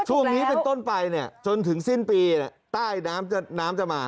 ช่วงนี้เป็นต้นไปเนี่ยจนถึงสิ้นปีใต้น้ำน้ำจะมา